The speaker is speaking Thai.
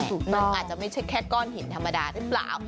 อาจจะไม่ใช่แค่ก้อนหินธรรมดาหรือเปล่า